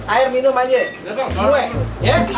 air minum aja ya